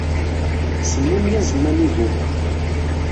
Semmum yiẓem-a n yigumma.